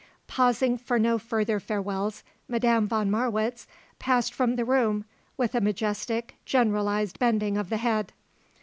Pausing for no further farewells, Madame von Marwitz passed from the room with a majestic, generalized bending of the head.